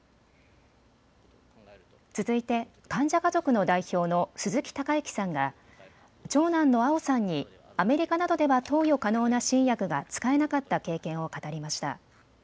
続いて患者家族の代表の鈴木隆行さんが長男の蒼さんにアメリカなどでは投与可能な新薬が使えなかった経験を語りました。